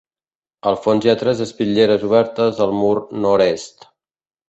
Al fons hi ha tres espitlleres obertes al mur nord-est.